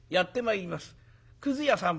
「くず屋さん」。